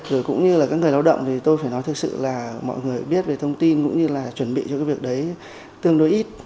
rồi cũng như là các người lao động thì tôi phải nói thực sự là mọi người biết về thông tin cũng như là chuẩn bị cho cái việc đấy tương đối ít